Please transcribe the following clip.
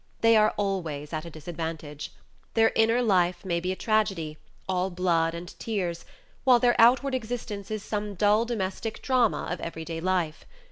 They are always at a disadvantage. Their inner life may be a tragedy, all blood and tears, while their outward existence is some dull domestic drama of every day life.